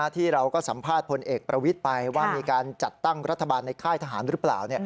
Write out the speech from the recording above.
ที่เราก็สัมภาษณ์พลเอกประวิทย์ไปว่ามีการจัดตั้งรัฐบาลในค่ายทหารหรือเปล่า